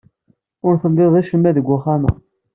Ur tlid acemma deg uxxam-a.